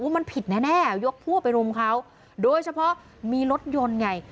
มันผิดแน่ยกพวกไปรุมเขาโดยเฉพาะมีรถยนต์ไง